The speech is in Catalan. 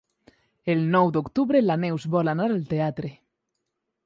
El nou d'octubre na Neus vol anar al teatre.